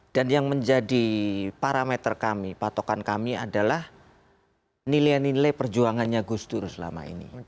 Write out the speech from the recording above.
dan yang menjadi parameter kami patokan kami adalah nilai nilai perjuangannya gus duru selama ini